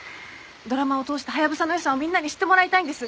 ドラマを通してハヤブサの良さをみんなに知ってもらいたいんです。